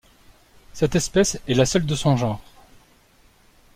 Cette espèce est la seule de son genre.